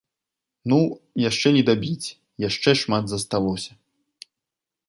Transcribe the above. Ну, яшчэ не дабіць, яшчэ шмат засталося.